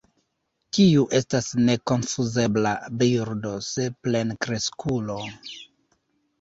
Tiu estas nekonfuzebla birdo se plenkreskulo.